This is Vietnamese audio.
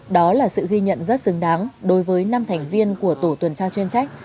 đó là sự ghi nhận rất xứng đáng đối với năm thành viên của tổ tuần tra chuyên trách